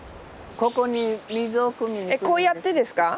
こうやってですか？